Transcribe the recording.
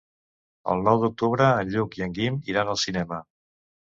El nou d'octubre en Lluc i en Guim iran al cinema.